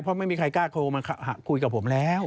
เพราะไม่มีใครกล้าโทรมาคุยกับผมแล้ว